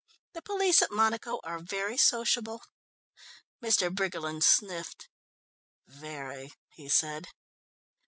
"The police at Monaco are very sociable." Mr. Briggerland sniffed. "Very," he said.